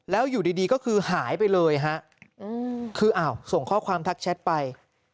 แล้วอยู่ดีก็คือหายไปเลยฮะคืออ้าวส่งข้อความทักแชทไป